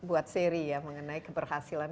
buat seri ya mengenai keberhasilan